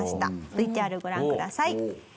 ＶＴＲご覧ください。おっ。